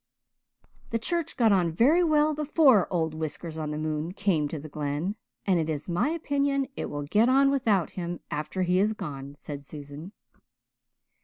"The church got on very well before old Whiskers on the moon came to the Glen and it is my opinion it will get on without him after he is gone," said Susan.